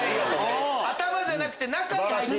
頭じゃなくて中に。